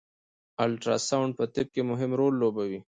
الټراساونډ په طب کی مهم رول لوبوي